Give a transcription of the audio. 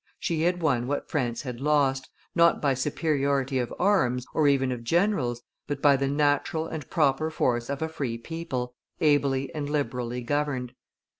She had won what France had lost, not by superiority of arms, or even of generals, but by the natural and proper force of a free people, ably and liberally governed.